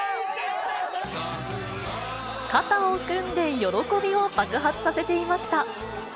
肩を組んで喜びを爆発させていました。